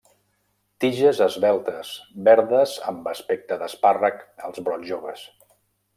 Tiges esveltes, verdes amb aspecte d'espàrrec als brots joves.